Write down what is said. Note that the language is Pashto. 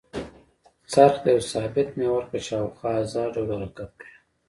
څرخ د یوه ثابت محور په شاوخوا ازاد ډول حرکت کوي.